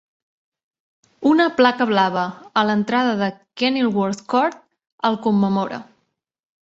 Una placa blava a l'entrada de Kenilworth Court el commemora.